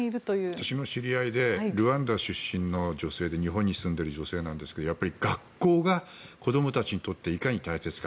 私の知り合いでルワンダ出身の女性で日本に住んでいる女性なんですがやっぱり学校が子供たちにとっていかに大切か。